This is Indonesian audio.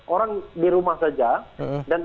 orang di rumah saja dan